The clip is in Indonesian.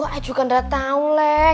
kok aja juga enggak tahu leh